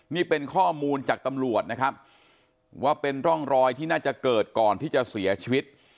นี่เป็นข้อมูลจากตำรวจนะครับว่าเป็นร่องรอยที่น่าจะเกิดก่อนที่จะเสียชีวิต